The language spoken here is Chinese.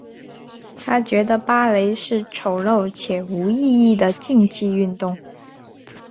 她觉得芭蕾是丑陋且无意义的竞技运动。